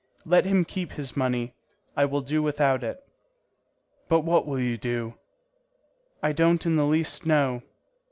Let him keep his money; I will do without it." "But what will you do?" "I don't in the least know."